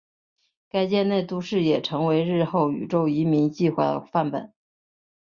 该舰内都市也成为日后宇宙移民计画的范本。